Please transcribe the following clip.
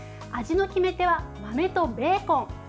味の決め手は豆とベーコン。